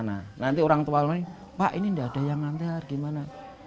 nanti orang tua orang ini pak ini tidak ada yang mengantar gimana